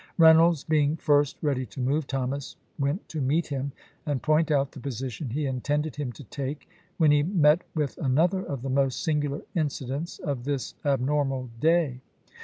Reynolds being first ready to move, Thomas went to meet him and point out the position he intended him to take, when he met with another of the most singular incidents of this abnormal day.